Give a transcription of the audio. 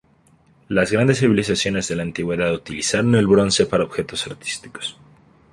Las grandes civilizaciones de la Antigüedad utilizaron el bronce para objetos artísticos.